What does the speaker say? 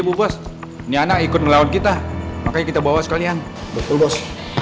bufos nyana ikut melawan kita makanya kita bawa sekalian betul bos